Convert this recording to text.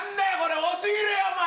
多すぎるよ、お前！